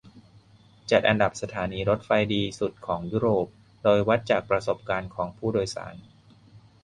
จัดอันดับสถานีรถไฟดีสุดของยุโรป โดยวัดจากประสบการณ์ของผู้โดยสาร